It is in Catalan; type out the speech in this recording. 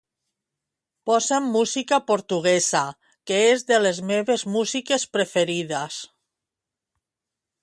Posa'm música portuguesa, que és de les meves músiques preferides.